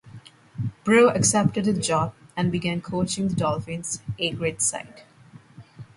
Brough accepted the job and began coaching the Dolphins A-grade side.